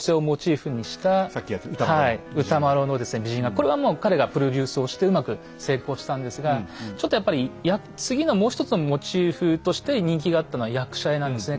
これはもう彼がプロデュースをしてうまく成功したんですがちょっとやっぱり次のもう一つのモチーフとして人気があったのは役者絵なんですね